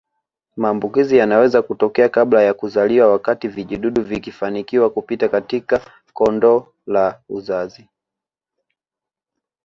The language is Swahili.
Maambukizi yanaweza kutokea kabla ya kuzaliwa wakati vijidudu vikifanikiwa kupita katika kondo la uzazi